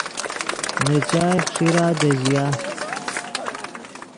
نے چائے خݰیرا دے ژیا